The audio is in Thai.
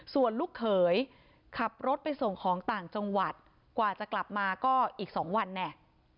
ส่วนลูกเขยขับรถไปส่งของต่างจังหวัดกว่าจะกลับมาก็อีก๒วันเนี่ย